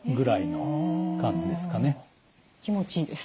気持ちいいです。